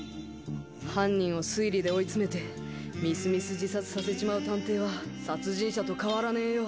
犯人を推理で追い詰めてみすみす自殺させちまう探偵は殺人者と変わらねえよ。